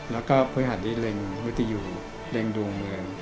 แล้วก็ภัยภาษณ์ได้เร่งวิติอยู่เร่งดวงเมือง